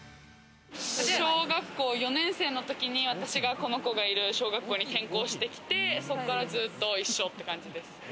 小学校４年生のときに私が、この子がいる小学校に転校してきて、そこからずっと一緒って感じです。